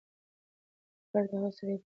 دې کار د هغه سړي په زړه کې د پښېمانۍ تخم وکره.